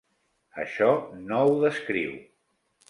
Això no ho descriu.